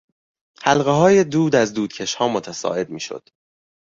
حلقههای دود از دودکشها متصاعد می شد.